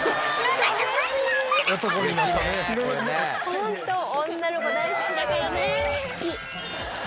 「ホント女の子大好きだからね」